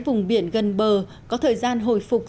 vùng biển gần bờ có thời gian hồi phục